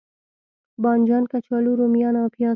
بانجان، کچالو، روميان او پیاز